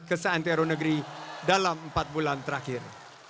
ke senteronegeri dalam empat bulan terakhir